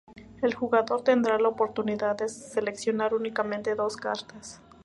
El jugador tendrá la oportunidad de seleccionar únicamente dos cartas.